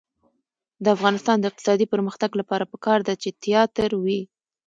د افغانستان د اقتصادي پرمختګ لپاره پکار ده چې تیاتر وي.